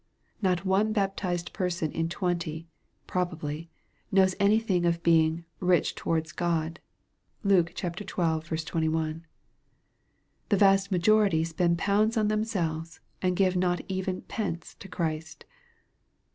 Not one baptized person in twenty, probably, knows any thing of being " rich to wards God." ( Luke xii. 21.) The vast majority spend pounds on themselves, and give not even pence to Christ.